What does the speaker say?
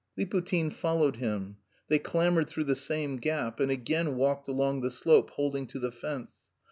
Liputin followed him. They clambered through the same gap and again walked along the slope holding to the fence.